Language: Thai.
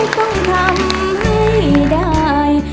ต้องทำให้ได้